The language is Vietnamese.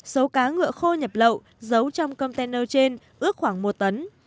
số cá ngựa khô nhập lậu giấu trong container trên ước khoảng một tấn